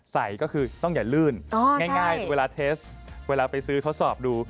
ใส่ก็คือต้องอย่าลื่นง่ายเวลาเทสเวลาไปซื้อทดสอบดู